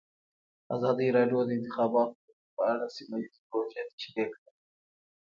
ازادي راډیو د د انتخاباتو بهیر په اړه سیمه ییزې پروژې تشریح کړې.